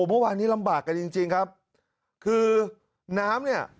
เมื่อวานนี้ลำบากกันจริงจริงครับคือน้ำเนี่ย